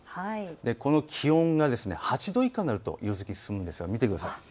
この気温が８度以下になると色づきが進むんですが見てください。